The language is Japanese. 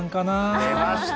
出ました。